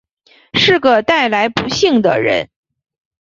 是个带来不幸的人